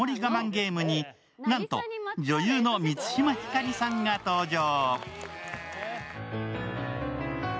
ゲームになんと女優の満島ひかりさんが登場。